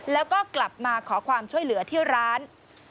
แล้วก็กลับมาขอความช่วยเหลือที่ร้าน